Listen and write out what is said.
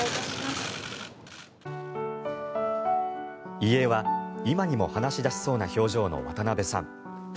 遺影は今にも話し出しそうな表情の渡辺さん。